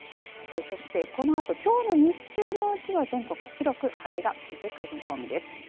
そして、このあときょうの日中のうちは全国広く晴れが続く見込みです。